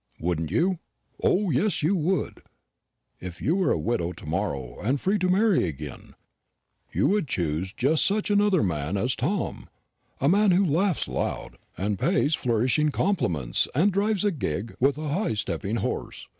"Wouldn't you? O yes, you would. If you were a widow to morrow, and free to marry again, you would choose just such another man as Tom a man who laughs loud, and pays flourishing compliments, and drives a gig with a high stepping horse.